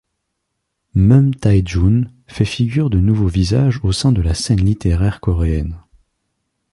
Mun Tae-jun fait figure de nouveau visage au sein de la scène littéraire coréenne.